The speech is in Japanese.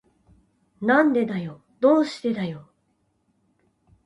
なんでだよ。どうしてだよ。